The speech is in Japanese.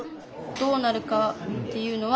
どうなるかっていうのは